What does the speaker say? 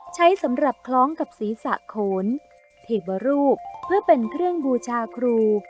ใช้สำหรับคล้องกับศีรษะโขนเทวรูปเพื่อเป็นเครื่องบูชาครู